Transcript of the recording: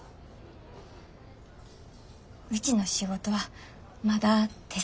うちの仕事はまだ手探りです。